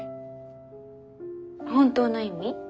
本当の意味？